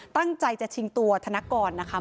ตั้งใจจะชิงตัวธนกรนะคะ